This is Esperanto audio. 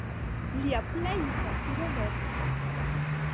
Lia plej juna filo mortis.